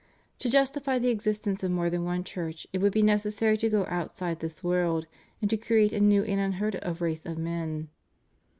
To justify the existence of more than one Church it would be necessary to go outside this world, and to create a new and unheard of race of men.